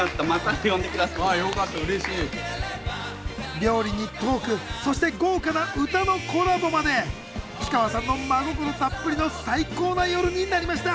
料理にトークそして豪華な歌のコラボまで氷川さんの真心たっぷりの最高な夜になりました。